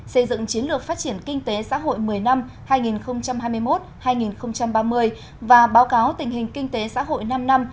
xây dựng chiến lược phát triển kinh tế xã hội một mươi năm hai nghìn hai mươi một hai nghìn ba mươi và báo cáo tình hình kinh tế xã hội năm năm hai nghìn một mươi sáu hai nghìn hai mươi